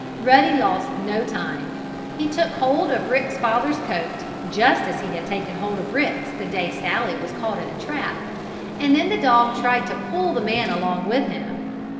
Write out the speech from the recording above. Ruddy lost no time. He took hold of Rick's father's coat, just as he had taken hold of Rick's, the day Sallie was caught in a trap, and then the dog tried to pull the man along with him.